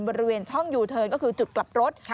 บริเวณช่องยูเทิร์นก็คือจุดกลับรถ